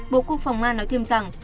bộ quốc phòng nga nói thêm rằng